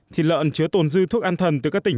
thịt lợn chứa tồn dư thuốc an thần từ các tỉnh